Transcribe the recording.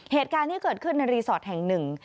เหตุการณ์ที่เกิดขึ้นในรีสอร์ทแห่งหนึ่ง